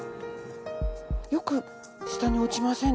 よく下に落ちませんね。